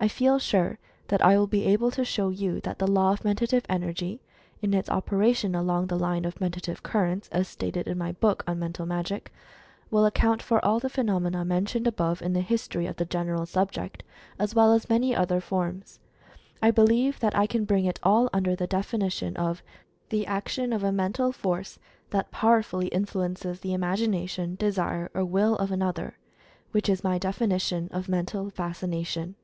I feel sure that I will be able to show you that the Law of Mentative Energy, in its operation along the line of Mentative Currents, as stated in my book on "Mental Magic," will account for all the phenomena mentioned above in the History of the General Sub ject, as well as many other forms. I believe that I can bring it all under the definition of "The action of a Mental Force that powerfully influences the imagina tion, desire, or will of another"— which is my defini tion of "Mental Fascination."